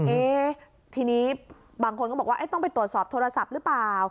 เอ๊ะทีนี้บางคนก็บอกว่าต้องไปตรวจสอบโทรศัพท์หรือเปล่า